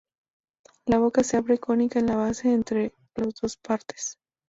La boca se abre cónica en la base entre las dos partes.